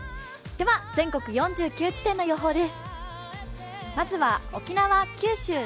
全国４９地点の予報です。